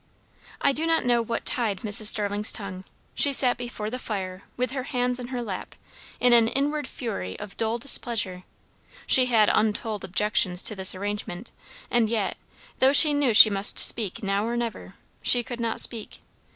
I do not know what tied Mrs. Starling's tongue. She sat before the fire with her hands in her lap, in an inward fury of dull displeasure; she had untold objections to this arrangement; and yet, though she knew she must speak now or never, she could not speak.